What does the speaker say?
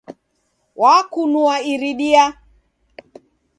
Wakunua iridia